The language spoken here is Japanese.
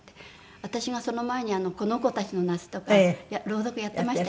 私がその前に『この子たちの夏』とか朗読やってましたよね。